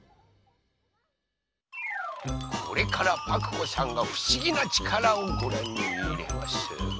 これからパクこさんがふしぎなちからをごらんにいれます。